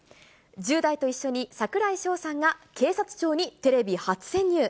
１０代と一緒に櫻井翔さんが警察庁にテレビ初潜入。